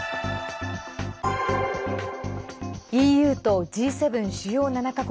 ＥＵとＧ７＝主要７か国